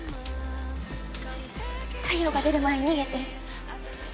太陽が出る前に逃げて。